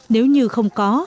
nếu như không có